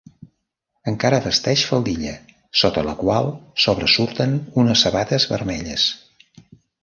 Encara vesteix faldilla, sota la qual sobresurten unes sabates vermelles.